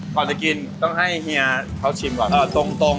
ก่อนจะกินต้องให้เฮียเขาชิมก่อน